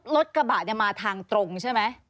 รถกระบะมาทางตรงใช่ไหม